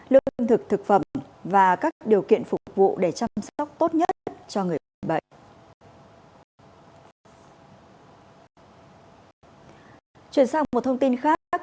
lương thực thực phẩm và các điều kiện phục vụ để chăm sóc tốt nhất cho người bị bệnh